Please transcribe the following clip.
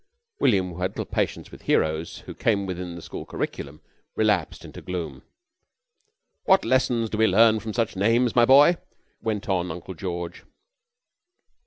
William, who had little patience with heroes who came within the school curriculum, relapsed into gloom. "What lessons do we learn from such names, my boy?" went on Uncle George.